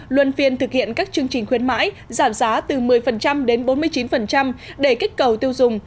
luân phiên thực hiện các chương trình khuyến mãi giảm giá từ một mươi đến bốn mươi chín để kích cầu tiêu dùng